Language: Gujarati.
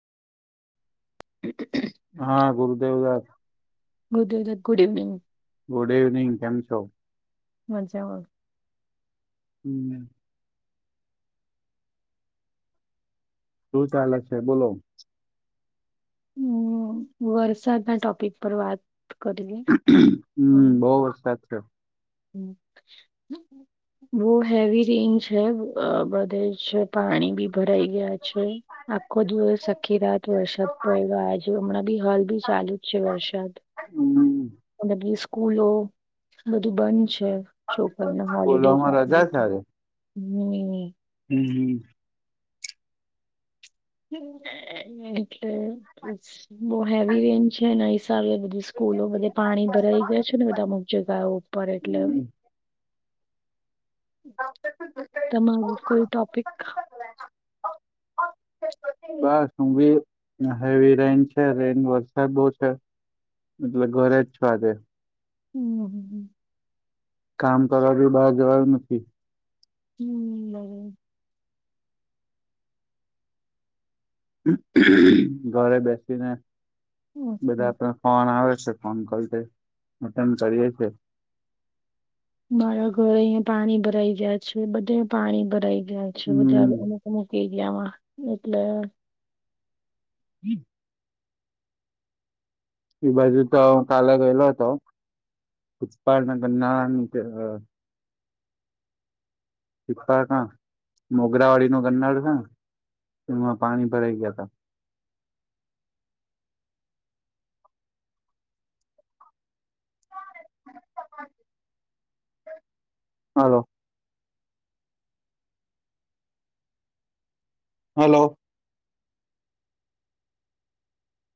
[inaudible] હા ગુરુદેવરાજ ગુધુધ ગુડ ઇવનિંગ. Good evening. કેમ છો? મજામાં. હમ... શું ચાલે છે? બોલો ઉમમ વરસાદના ટોપિક પર વાત કરીએ [unintelligible] હમ બહું વરસાદ છે. હમ [unintelligible] બો હેવી રેન્જ છે. અ બધે જ પાણી બી ભરાઈ ગયા છે. આખો દિવસ આખી રાત વરસાદ પડ્યો આજુ હમણાં બી હાલ બી ચાલુ જ છે, વરસાદ [inaudible] અને સ્કૂલો બધી બંધ છે. છોકરને હોલિડે બોલવામાં આપી રજા છે દીધું આજે હમ... [unintelligible] [unintelligible] હ એટલે બોવ હેવી રેન છે, ને હિસાબે બધી સ્કૂલો બધે પાણી ભરાઈ ગયા છે, ને બધા અમુક જગાઓ પર એટલે. [inaudible] તમારૂ કોઈ ટોપિક? બસ [unintelligible] હેવી રેન છે. રેન વરસાદ બોવ છે એટલે ઘરે જ છો આજે. [unintelligible] કામ કરવા બી બહાર જવાયુ નથી. હમમ.... [unintelligible] ઘરે બેસીને બધા ઓકે. પણ ફોન આવે છે. ફોન કરી દે [unintelligible] કરીએે છે. મારા ઘર અહીએ પાણી ભરાઈ ગયા છે. બધે પાણી ભરાઈ ગયા છે. બધે હમ મૂકી ગયામાં એટલે [inaudible] એ બાજુ તો કાલે ગયેલો હતો. કૂતપાળ ના ગરનાળા નીચે અ [unintelligible] ના મોગરાવાડી નું ગરનાડું છે, ને એમાં પાણી ભરાઈ ગયાતા. હાલો. હલો.